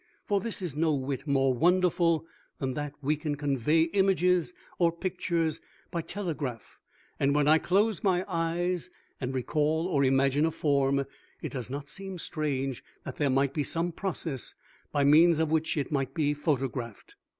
For this is no whit more wonderful than that we can convey images or pictures by telegraph, and when I close my eyes and recall or imagine a form it does not seem strange that there might be some process by means of which it might be photographed.